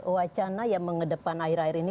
wacana yang mengedepan air air ini